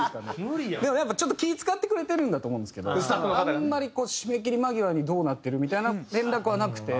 でもやっぱちょっと気ぃ使ってくれてるんだと思うんですけどあんまり締め切り間際に「どうなってる？」みたいな連絡はなくて。